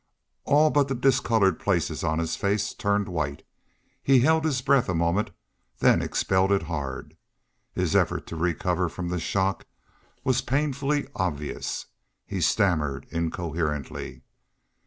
All but the discolored places on his face turned white. He held his breath a moment, then expelled it hard. His effort to recover from the shock was painfully obvious. He stammered incoherently.